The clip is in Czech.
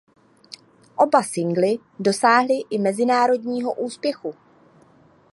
Oba singly dosáhly i mezinárodního úspěchu.